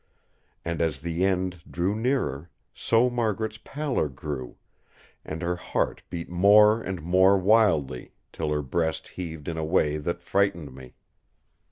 And as the end drew nearer, so Margaret's pallor grew; and her heart beat more and more wildly, till her breast heaved in a way that frightened me.